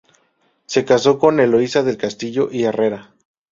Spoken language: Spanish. Se casó con Eloisa del Castillo y Herrera.